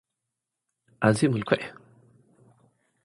ኣዝዩ ምልኩዕ እዩ።